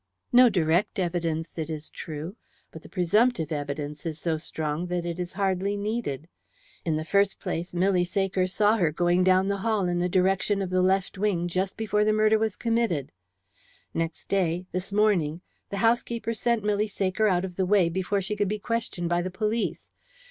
"No direct evidence, it is true. But the presumptive evidence is so strong that it is hardly needed. In the first place, Milly Saker saw her going down the hall in the direction of the left wing just before the murder was committed. Next day this morning the housekeeper sent Milly Saker out of the way before she could be questioned by the police.